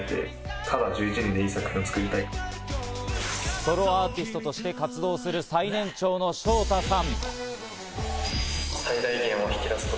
ソロアーティストとして活動する、最年長のショウタさん。